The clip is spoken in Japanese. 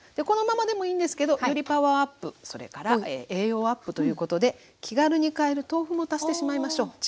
このままでもいいんですけどよりパワーアップそれから栄養アップということで気軽に買える豆腐も足してしまいましょう。